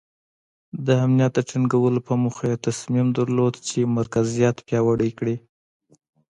د امنیت د ټینګولو په موخه یې تصمیم درلود چې مرکزیت پیاوړی کړي.